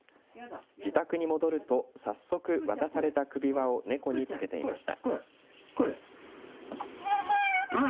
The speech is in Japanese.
自宅に戻ると早速、渡された首輪をネコにつけていました。